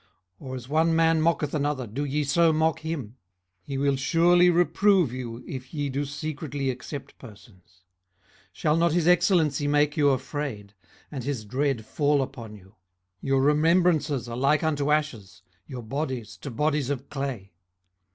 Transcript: or as one man mocketh another, do ye so mock him? 18:013:010 He will surely reprove you, if ye do secretly accept persons. 18:013:011 Shall not his excellency make you afraid? and his dread fall upon you? 18:013:012 Your remembrances are like unto ashes, your bodies to bodies of clay.